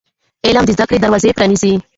علم د زده کړې دروازې پرانیزي.